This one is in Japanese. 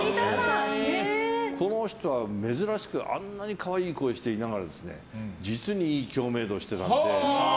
この人は珍しくあんなに可愛い声をしていながら実にいい共鳴度していたので。